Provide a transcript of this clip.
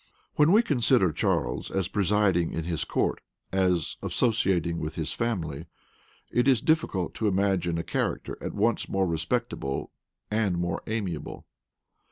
When we consider Charles as presiding in his court, as associating with his family, it is difficult to imagine a character at once more respectable and more amiable.